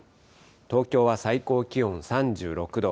東京は最高気温３６度。